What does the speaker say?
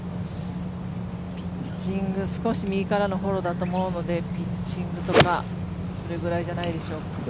ピッチング少し右からのフォローだと思うのでピッチングとかそれぐらいじゃないでしょうか。